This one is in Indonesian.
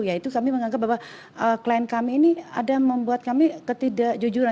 yaitu kami menganggap bahwa klien kami ini ada membuat kami ketidakjujuran